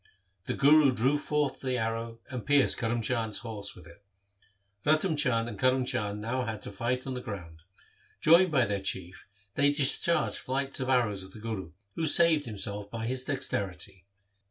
The Guru drew forth the arrow and pierced Karm Chand's horse with it. Ratan Chand and Karm Chand had now to fight on the ground. Joined by their Chief they discharged flights of arrows at the Guru, who saved himself by his dexterity.